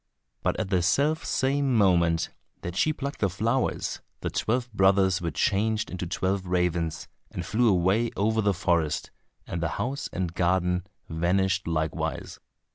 But at the self same moment that she plucked the flowers the twelve brothers were changed into twelve ravens, and flew away over the forest, and the house and garden vanished likewise.